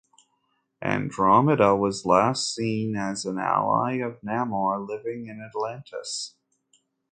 Andromeda was last seen as an ally of Namor, living in Atlantis.